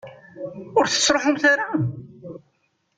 Ur tettruḥumt ara?